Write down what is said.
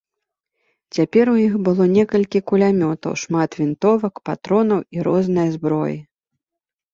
Цяпер у іх было некалькі кулямётаў, шмат вінтовак, патронаў і рознае зброі.